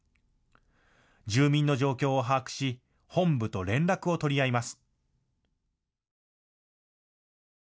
住民の状況を把握し、本部と連絡を取り合います。